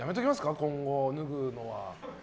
今後、脱ぐのは。